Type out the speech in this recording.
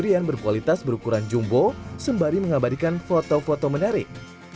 durian berkualitas berukuran jumbo sembari mengabadikan foto foto menarik